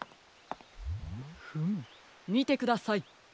フムみてください。